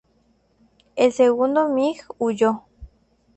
El segundo MiG huyó.